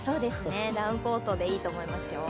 ダウンコートでいいと思いますよ。